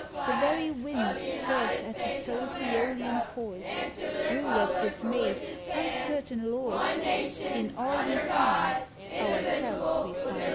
The very wind Serves at the soul's aeolian chords; Rulers dismayed, uncertain lords, In all we find, ourselves we find.